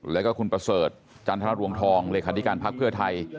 แล้วก็คุณประเสริฐจันทรรวงทองเลขาธิการพักเพื่อไทย